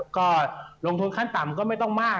ก็ลงทุนขั้นต่ำก็ไม่ต้องมาก